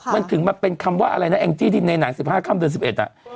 มันถึงมาเป็นคำว่าอะไรนะแองจี้ที่ในหนัง๑๕ค่ำเดือน๑๑อ่ะ